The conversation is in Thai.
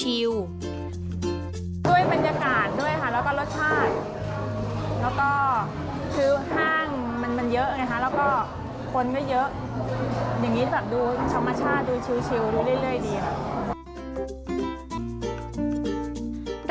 ด้วยบรรยากาศด้วยค่ะแล้วก็รสชาติแล้วก็คือห้างมันเยอะไงคะแล้วก็คนก็เยอะอย่างนี้แบบดูธรรมชาติดูชิวเรื่อยดีค่ะ